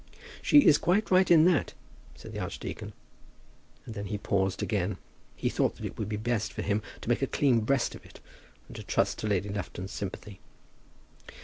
"She is quite right in that," said the archdeacon; and then he paused again. He thought that it would be best for him to make a clean breast of it, and to trust to Lady Lufton's sympathy.